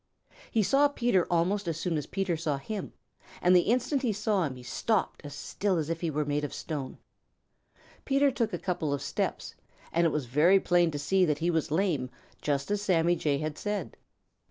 He saw Peter almost as soon as Peter saw him, and the instant he saw him, he stopped as still as if he were made of stone. Peter took a couple of steps, and it was very plain to see that he was lame, just as Sammy Jay had said.